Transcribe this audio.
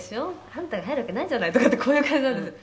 あんたが入るわけないじゃない”とかってこういう感じなんですよ」